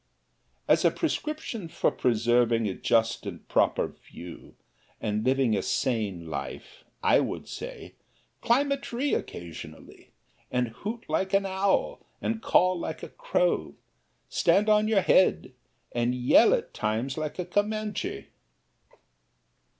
As a prescription for preserving a just and proper view, and living a sane life, I would say, climb a tree occasionally, and hoot like an owl and caw like a crow; stand on your head and yell at times like a Comanche.